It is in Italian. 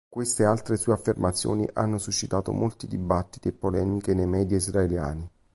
Questa e altre sue affermazioni hanno suscitato molti dibattiti e polemiche nei media israeliani.